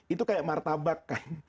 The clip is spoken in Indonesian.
itu kayak martabak kan